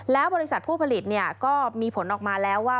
แล้วบริษัทผู้ผลิตก็มีผลออกมาแล้วว่า